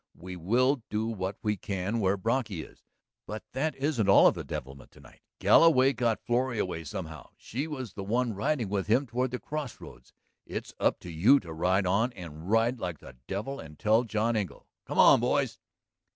"We will do what we can where Brocky is. But that isn't all of the devilment to night. Galloway got Florrie away somehow; she was the one riding with him toward the crossroads. It's up to you to ride on and ride like the devil and tell John Engle. ... Come on, boys!"